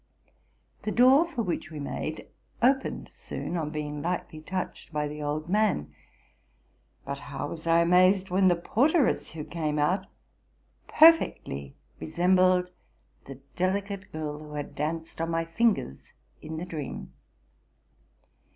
The door for which we made. opened soon on being lightly touched by the old man. But how was I amazed when the porteress who came out perfectly resembled the delicate girl who had danced upon my fingers in the dream!